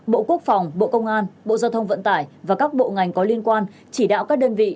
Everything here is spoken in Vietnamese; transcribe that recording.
bộ quốc phòng bộ công an bộ giao thông vận tải và các bộ ngành có liên quan chỉ đạo các đơn vị